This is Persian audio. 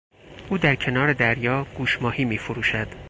او در کنار دریا گوشماهی میفروشد.